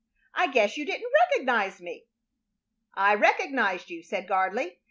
I guess you didn't recognize me?" "I recognized you," said Gardley.